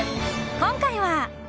今回は。